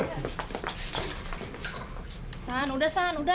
eh san udah san udah